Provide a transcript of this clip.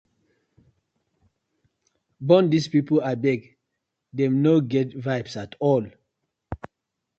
Bone dis pipu abeg, dem no get vibes atol.